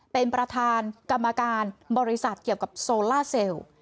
เป็นประธานกรรมการบริษัทเกี่ยวกับโซล่าเซลล์